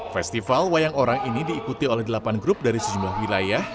festival wayang orang ini diikuti oleh delapan grup dari sejumlah wilayah